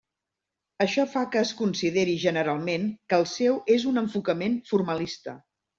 Això fa que es consideri generalment que el seu és un enfocament formalista.